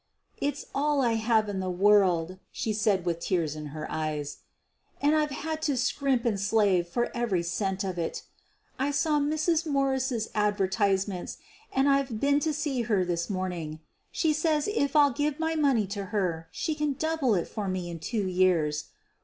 "It's all I have in the world/ ' she said with tears in her eyes, "and I've had to scrimp and slave for every cent of it. I saw Mrs. Morse 's advertisements and IVe been to see her this morning. She says it 4 I'll give my money to her she can double it for me in two years.